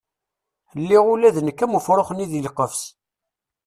Lliɣ ula d nekk am ufrux-nni deg lqefs.